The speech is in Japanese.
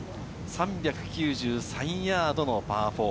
３９３ヤードのパー４。